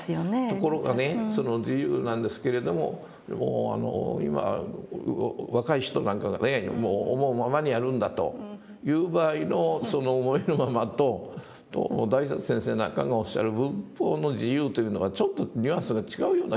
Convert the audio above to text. ところがねその自由なんですけれどももう今若い人なんかがね「もう思うままにやるんだ」と言う場合のその「思いのまま」と大拙先生なんかがおっしゃる仏法の「自由」というのはちょっとニュアンスが違うような気がする。